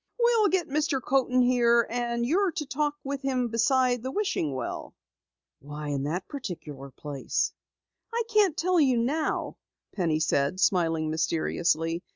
"We'll get Mr. Coaten here, and you're to talk with him beside the wishing well." "Why in that particular place?" "I can't tell you now," Penny said, smiling mysteriously.